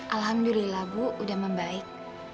alhamdulillah bu udah membaik